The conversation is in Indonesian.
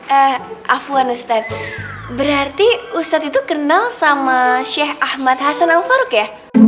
eh afwan ustadz berarti ustadz itu kenal sama sheikh ahmad hasan al farouk ya